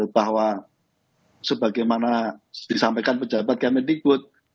bahwa sebagaimana disampaikan pejabat km mendikbud